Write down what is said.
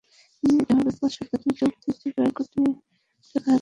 তিনি এভাবে পাঁচ শতাধিক সংযোগ দিয়ে প্রায় কোটি টাকা হাতিয়ে নিয়েছেন।